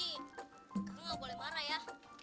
karena nggak boleh marah ya